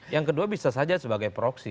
yang kedua bisa saja sebagai proksi